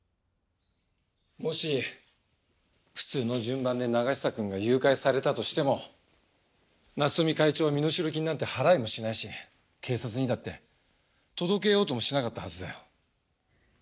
もし普通の順番で永久くんが誘拐されたとしても夏富会長は身代金なんて払いもしないし警察にだって届けようともしなかったはずだよ。